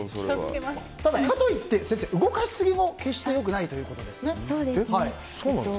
ただ、かといって動かしすぎも決して良くないということですね。